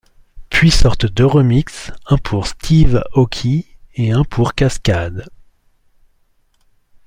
Puis sortent deux remixes, un pour Steve Aoki et un pour Kaskade.